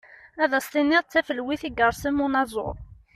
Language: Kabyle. Ad as-tiniḍ d tafelwit i yersem unaẓur.